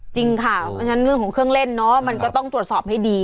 จริงค่ะเพราะฉะนั้นเรื่องของเครื่องเล่นเนาะมันก็ต้องตรวจสอบให้ดี